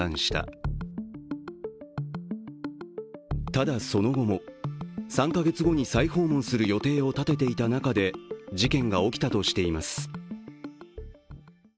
ただ、その後も３か月後に再訪問する予定を立てていた中で事件が起きたとしています。